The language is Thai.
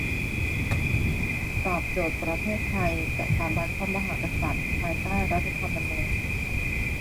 ตอบโจทย์ประเทศไทย สถาบันพระมหากษัตริย์ ภายใต้รัฐธรรมณูญ